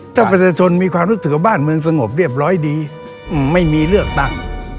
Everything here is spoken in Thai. ถ้าประชาชนมีความรู้สึกว่าบ้านเมืองสงบเรียบร้อยดีไม่มีเลือกตั้ง